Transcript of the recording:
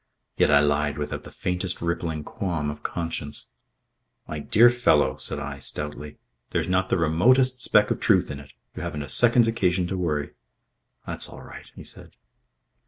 Yet I lied without the faintest rippling qualm of conscience. "My dear fellow," said I, stoutly, "there's not the remotest speck of truth in it. You haven't a second's occasion to worry." "That's all right," he said.